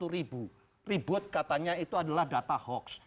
satu ratus sembilan puluh satu ribu ribut katanya itu adalah data hoax